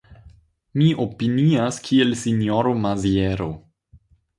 Mi opinias kiel sinjoro Maziero.